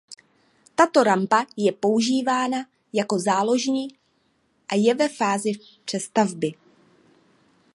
Tato rampa je používaná jako záložní a je ve fázi přestavby.